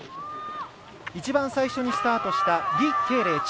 １番最初にスタートした李慧玲。